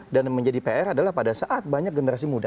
dan menjadi pr adalah pada saat banyak generasi muda